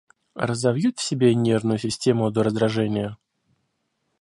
Разовьют в себе нервную систему до раздражения...